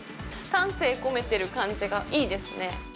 丹精込めてる感じがいいですね。